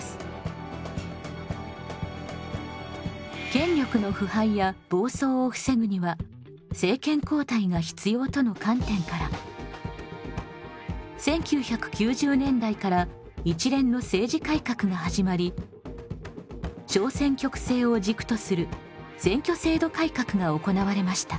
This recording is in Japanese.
権力の腐敗や暴走を防ぐには政権交代が必要との観点から１９９０年代から一連の政治改革が始まり小選挙区制を軸とする選挙制度改革が行われました。